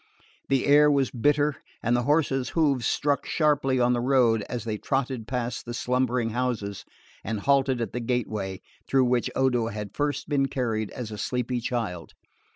The air was bitter, and the horses' hoofs struck sharply on the road as they trotted past the slumbering houses and halted at the gateway through which Odo had first been carried as a sleepy child.